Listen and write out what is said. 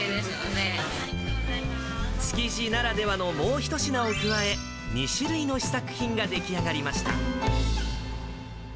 築地ならではのもう一品を加え、２種類の試作品が出来上がりました。